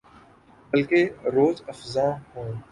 بلکہ روزافزوں ہے